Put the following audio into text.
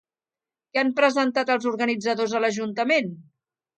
Què han presentat els organitzadors a l'ajuntament?